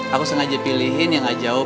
aku sengaja pilihin yang gak jauh